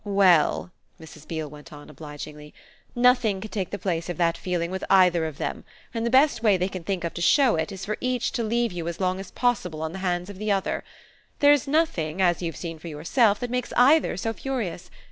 "Well," Mrs. Beale went on obligingly, "nothing can take the place of that feeling with either of them, and the best way they can think of to show it is for each to leave you as long as possible on the hands of the other. There's nothing, as you've seen for yourself, that makes either so furious.